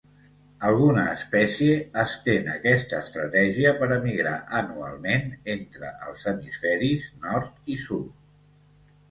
Alguna espècie estén aquesta estratègia per emigrar anualment entre els Hemisferis Nord i Sud.